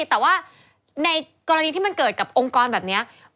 แต่ว่าในกรณีที่มันเกิดกับองค์กรแบบนี้